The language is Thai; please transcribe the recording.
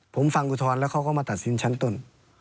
ผมฟังอุทธรณ์แล้วเขาก็มาตัดสินชั้นต้น